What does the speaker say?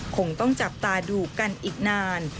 คงต้องจับตาดูกันอีกนาน